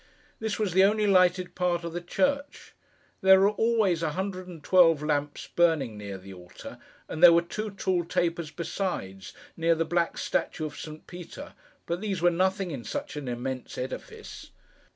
This was the only lighted part of the church. There are always a hundred and twelve lamps burning near the altar, and there were two tall tapers, besides, near the black statue of St. Peter; but these were nothing in such an immense edifice.